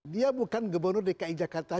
dia bukan gubernur dki jakarta